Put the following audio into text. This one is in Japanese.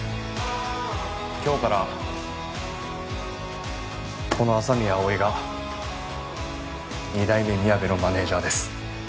今日からこの麻宮葵が二代目みやべのマネージャーです。